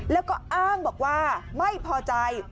แล้วก็อ้างบอกว่าไม่พอใจ